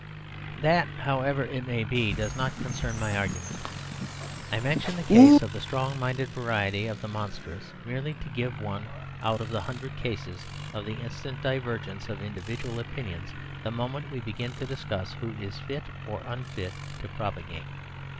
That, however it may be, does not concern my argument. I mention the case of the strong minded variety of the monstrous merely to give one out of the hundred cases of the instant divergence of individual opinions the moment we begin to discuss who is fit or unfit to propagate.